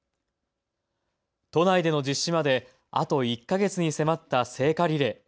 都内での実施まで、あと１か月に迫った聖火リレー。